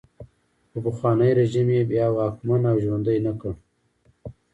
خو پخوانی رژیم یې بیا واکمن او ژوندی نه کړ.